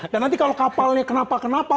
dan nanti kalau kapalnya kenapa kenapa